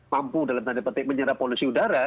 mampu dalam tanda petik menyerap polusi udara